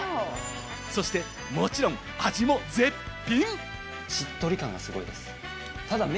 そしてもちろん、味も絶品！